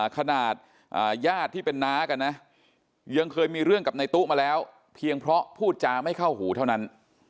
ขนาดญาติที่เป็นน้ากันนะยังเคยมีเรื่องกับในตู้มาแล้วเพียงเพราะพูดจาไม่เข้าหูเท่านั้น